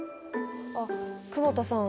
あっ久保田さん。